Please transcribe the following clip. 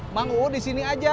mang u disini aja